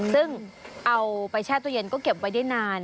ซึ่งเอาไปแช่ตู้เย็นก็เก็บไว้ได้นาน